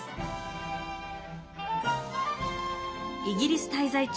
イギリス滞在中